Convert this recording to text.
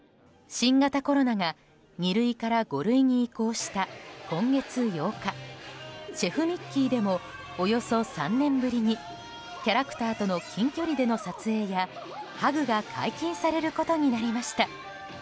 新型コロナが２類から５類に移行した今月８日シェフ・ミッキーでもおよそ３年ぶりにキャラクターとの近距離での撮影やハグが解禁されることになりました。